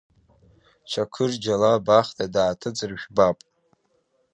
Чақырџьалы абахҭа дааҭыҵыр жәбап…